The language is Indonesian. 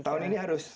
tahun ini harus